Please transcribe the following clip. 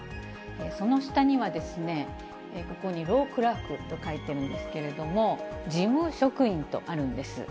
その下には、ここにロークラークと書いてあるんですけれども、事務職員とあるんです。